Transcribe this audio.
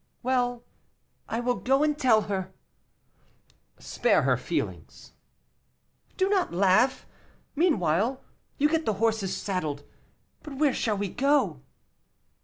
"Well, I will go and tell her." "Spare her feelings." "Do not laugh. Meanwhile you get the horses saddled. But where shall we go?"